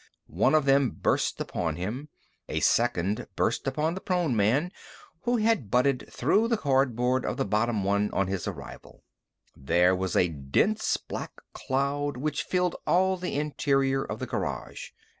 One of them burst upon him. A second burst upon the prone man who had butted through the cardboard of the bottom one on his arrival. There was a dense black cloud which filled all the interior of the garage.